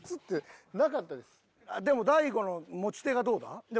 でも大悟の持ち手がどうなん？